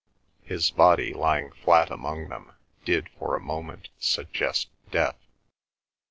His body, lying flat among them, did for a moment suggest death.